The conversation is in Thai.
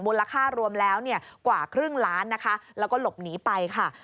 มูลค่ารวมแล้วเนี่ยกว่าครึ่งล้านนะคะแล้วก็หลบหนีไปค่ะ